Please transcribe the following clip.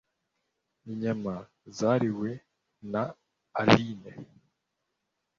inyama zariwe naallayne.